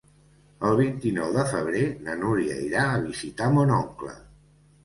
El vint-i-nou de febrer na Núria irà a visitar mon oncle.